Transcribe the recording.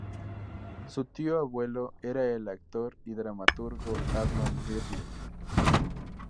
Su tío abuelo era el actor y dramaturgo Arnold Ridley.